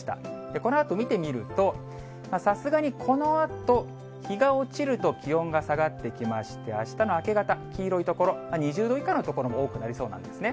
このあと見てみると、さすがにこのあと、日が落ちると気温が下がってきまして、あしたの明け方、黄色い所、２０度以下の所も多くなりそうなんですね。